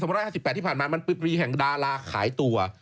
มันเป็นปีแห่งดาราขายตัว